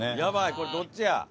これどっちや。